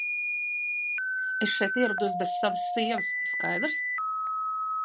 Es šeit ierados bez savas sievas, skaidrs?